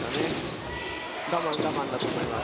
我慢我慢だと思います。